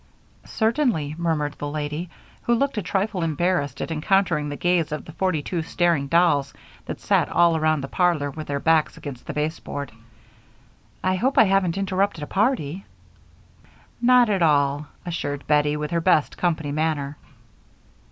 "Certainly," murmured the lady, who looked a trifle embarrassed at encountering the gaze of the forty two staring dolls that sat all around the parlor with their backs against the baseboard. "I hope I haven't interrupted a party." "Not at all," assured Bettie, with her best company manner.